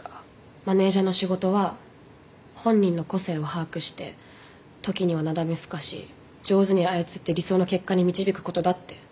「マネジャーの仕事は本人の個性を把握して時にはなだめすかし上手に操って理想の結果に導くことだ」って。